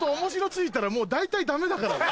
付いたらもう大体ダメだからね。